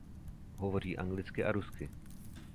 Hovoří anglicky a rusky.